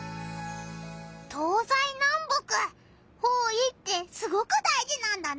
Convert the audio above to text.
東西南北方位ってすごく大じなんだな！